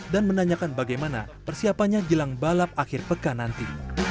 dan menanyakan bagaimana persiapannya jelang balap akhir peka nanti